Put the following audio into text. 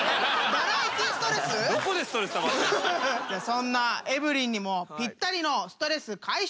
そんなエブリンにもぴったりのストレス解消我流。